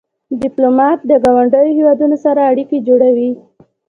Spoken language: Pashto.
ډيپلومات د ګاونډیو هېوادونو سره اړیکې جوړوي.